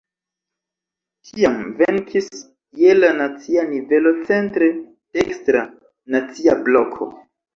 Tiam venkis je la nacia nivelo centre dekstra "Nacia Bloko".